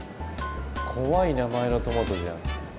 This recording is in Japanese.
怖い名前のトマトじゃん。